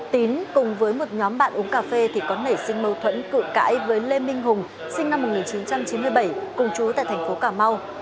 tín cùng với một nhóm bạn uống cà phê thì có nảy sinh mâu thuẫn cự cãi với lê minh hùng sinh năm một nghìn chín trăm chín mươi bảy cùng chú tại thành phố cà mau